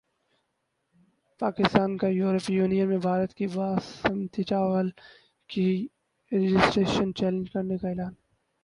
پاکستان کا یورپی یونین میں بھارت کی باسمتی چاول کی رجسٹریشن چیلنج کرنیکا اعلان